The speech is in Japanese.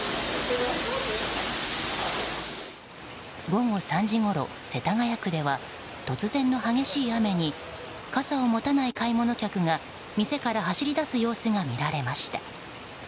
午後３時ごろ、世田谷区では突然の激しい雨に傘を持たない買い物客が店から走り出す様子が見られました。